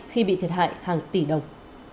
khi bị thiệt hại hàng tỷ đồng